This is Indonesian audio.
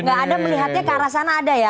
enggak anda melihatnya ke arah sana ada ya